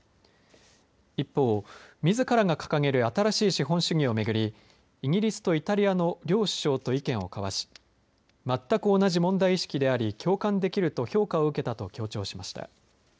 一方、みずからが掲げる新しい資本主義を巡り、イギリスとイタリアの両首相と意見を交わし、全く同じ問題意識であり、共感できると評価を受けたと強調しました。